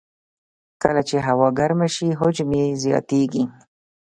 کله چې هوا ګرمه شي، حجم یې زیاتېږي.